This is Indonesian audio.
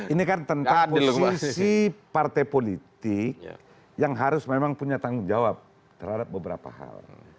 ini kan tentang posisi partai politik yang harus memang punya tanggung jawab terhadap beberapa hal